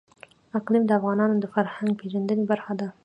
اقلیم د افغانانو د فرهنګي پیژندنې برخه ده.